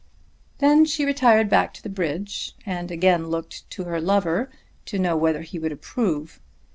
Then she retired back to the bridge and again looked to her lover to know whether he would approve.